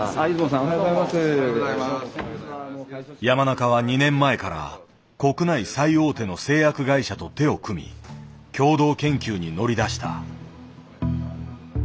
山中は２年前から国内最大手の製薬会社と手を組み共同研究に乗り出した。